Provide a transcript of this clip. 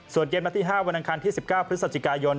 ส่วนเกมนัดที่๕วันอังคารที่๑๙พฤศจิกายน